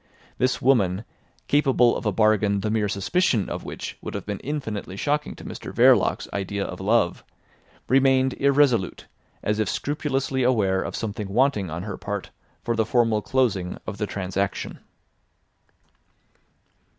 This woman, capable of a bargain the mere suspicion of which would have been infinitely shocking to Mr Verloc's idea of love, remained irresolute, as if scrupulously aware of something wanting on her part for the formal closing of the transaction.